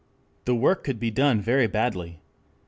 The work could be done very badly.